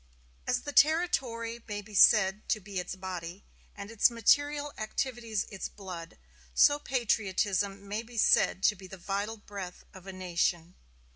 As the territory may be said to be its body, and its material activities its blood, so patriotism may be said to be the vital breath of a nation.